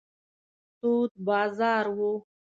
تود بازار و.